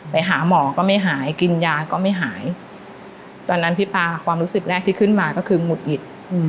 ไปหาหมอก็ไม่หายกินยาก็ไม่หายตอนนั้นพี่ปลาความรู้สึกแรกที่ขึ้นมาก็คือหุดหงิด